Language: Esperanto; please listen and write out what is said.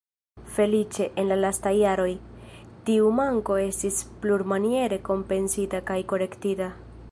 Feliĉe, en la lastaj jaroj, tiu manko estis plurmaniere kompensita kaj korektita.